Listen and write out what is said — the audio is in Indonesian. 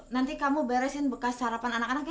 nanti kamu beresin bekas harapan anak anak ya